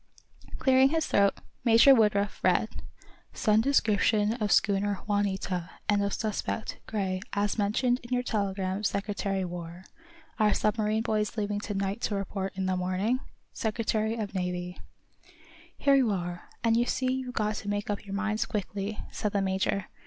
Clearing his throat, Major Woodruff read: _"Send description of schooner 'Juanita,' and of suspect, Gray, as mentioned in your telegram Secretary War. Are submarine boys leaving to night to report in morning? Secretary of Navy."_ "Here you are, and you see you've got to make up your minds quickly," said the major.